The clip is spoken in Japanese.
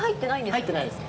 入ってないですね。